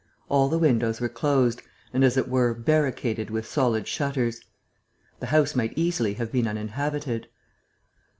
All the windows were closed and, as it were, barricaded with solid shutters. The house might easily have been uninhabited.